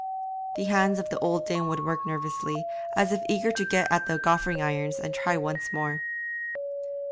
The hands of the old dame would work nervously, as if eager to get at the goffering irons and try once more.